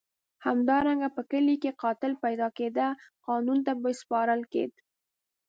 همدارنګه که په کلي کې قاتل پیدا کېده قانون ته به سپارل کېد.